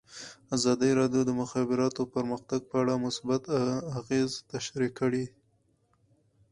ازادي راډیو د د مخابراتو پرمختګ په اړه مثبت اغېزې تشریح کړي.